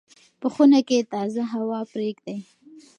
په خونه کې تازه هوا پرېږدئ.